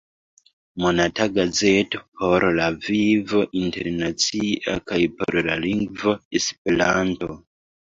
Monata gazeto por la vivo internacia kaj por la lingvo Esperanto.